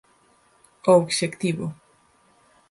O obxectivo: